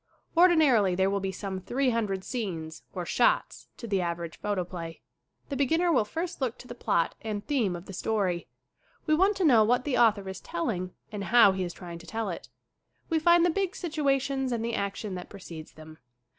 Ordinarily there will be some three hundred scenes or "shots" to the average photoplay. The beginner will first look to the plot and theme of the story. We want to know what the author is telling and how he is trying to tell it. We find the big situations and the action that precedes them.